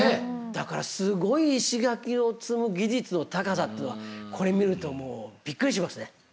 だからすごい石垣を積む技術の高さっていうのはこれ見るともうびっくりしますね。